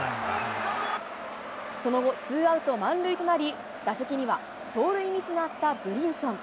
その後、ツーアウト満塁となり、打席には、走塁ミスがあったブリンソン。